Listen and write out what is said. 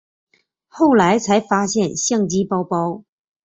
后来才发现相机包包